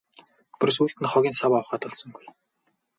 Бүр сүүлд нь хогийн саваа ухаад олсонгүй.